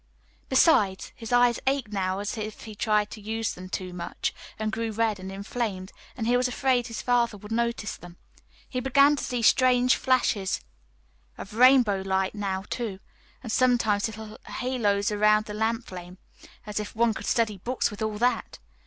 Besides his eyes ached now if he tried to use them much, and grew red and inflamed, and he was afraid his father would notice them. He began to see strange flashes of rainbow light now, too. And sometimes little haloes around the lamp flame. As if one could study books with all that!